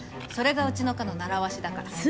それがうちの課のならわしだから。